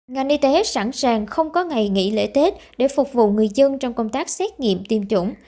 ngành y tế sẵn sàng không có ngày nghỉ lễ tết để phục vụ người dân trong công tác xét nghiệm tiêm chủng